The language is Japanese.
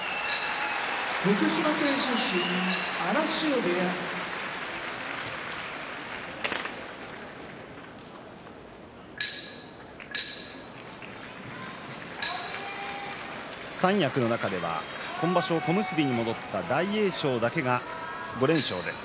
福島県出身荒汐部屋三役の中では今場所、小結に戻った大栄翔だけが５連勝です。